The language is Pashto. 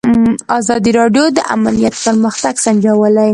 ازادي راډیو د امنیت پرمختګ سنجولی.